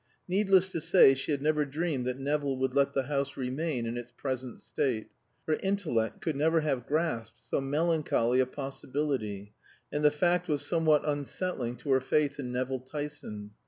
Needless to say she had never dreamed that Nevill would let the house remain in its present state; her intellect could never have grasped so melancholy a possibility, and the fact was somewhat unsettling to her faith in Nevill Tyson.